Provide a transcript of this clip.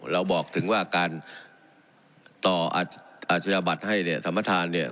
เราบอกถึงว่าการต่ออาชญาบัตรให้สมธาร